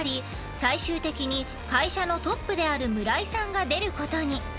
最終的に会社のトップであるむらいさんが出ることに。